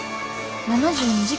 ７２時間？